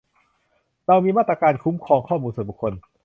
เรามีมาตราการคุ้มครองข้อมูลส่วนบุคคล